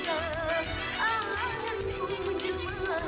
oh laki gua